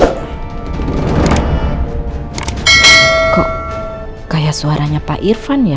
kok kayak suaranya pak irfan ya